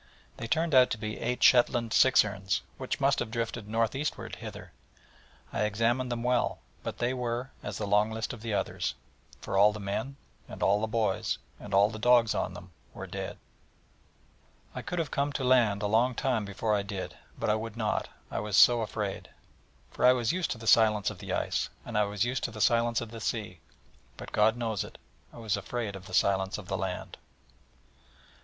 They turned out to be eight Shetland sixerns, which must have drifted north eastward hither. I examined them well, but they were as the long list of the others: for all the men, and all the boys, and all the dogs on them were dead. I could have come to land a long time before I did: but I would not: I was so afraid. For I was used to the silence of the ice: and I was used to the silence of the sea: but, God knows it, I was afraid of the silence of the land.